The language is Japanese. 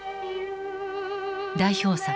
代表作